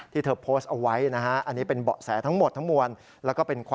ที่เธอโพสต์เอาไว้นะฮะอันนี้เป็นเบาะแสทั้งหมดทั้งมวล